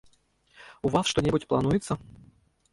У вас што-небудзь плануецца?